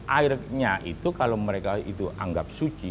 airnya itu kalau mereka itu anggap suci